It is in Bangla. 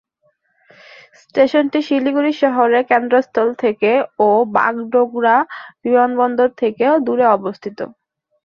স্টেশনটি শিলিগুড়ি শহরের কেন্দ্রস্থল থেকে ও বাগডোগরা বিমানবন্দর থেকে দূরে অবস্থিত।